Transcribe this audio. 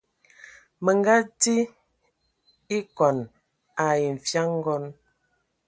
Manga adi ekɔn ai nfian ngɔn.